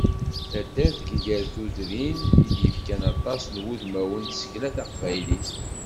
D taddart gar tudrin, i d-yefkan aṭas n wudmawen n tsekla taqbaylit.